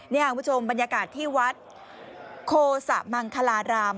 นี่คุณผู้ชมบรรยากาศที่วัดโคสะมังคลาราม